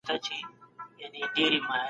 موږ د نړیوالو معیارونو پر لور روان یو.